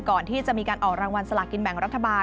ก่อนที่จะมีการออกรางวัลสลากินแบ่งรัฐบาล